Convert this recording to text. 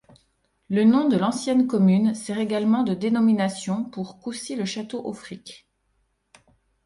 Le nom de l'ancienne commune sert également de dénomination pour Coucy-le-Château-Auffrique.